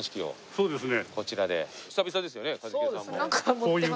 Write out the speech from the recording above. そうですね。